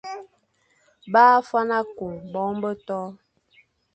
Bâ fwan akung bongo be toʼo.